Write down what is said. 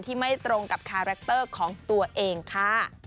ไม่ตรงกับคาแรคเตอร์ของตัวเองค่ะ